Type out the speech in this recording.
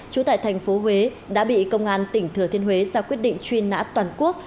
trú tại thành phố huế đã bị công an tỉnh thừa thiên huế ra quyết định truy nã toàn quốc